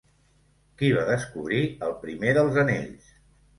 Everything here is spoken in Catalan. Qui va descobrir el primer dels anells?